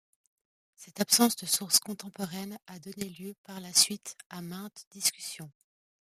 Cette absence de source contemporaine a donné lieu par la suite à maintes discussions.